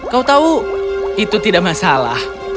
kau tahu itu tidak masalah